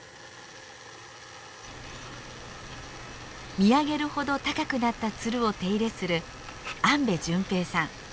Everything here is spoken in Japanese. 見上げるほど高くなったツルを手入れする安部純平さん。